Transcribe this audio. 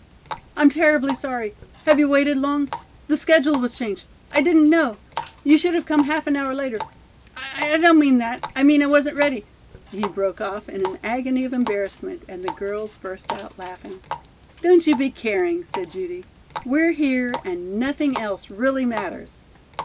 "I'm terribly sorry have you waited long? the schedule was changed I didn't know you should have come half an hour later I don't mean that I mean I wasn't ready " he broke off in an agony of embarrassment and the girls burst out laughing. "Don't you be caring," said Judy. "We're here and nothing else really matters."